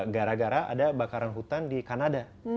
gara gara ada bakaran hutan di kanada